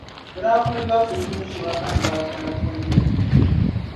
Bɛ daa pun labsi tuun’ shεba ban daa kana pɔi ni nyini.